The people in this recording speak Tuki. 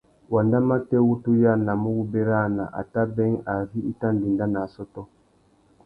Wanda matê wu tu yānamú wu bérana a tà being ari i tà ndénda nà assôtô.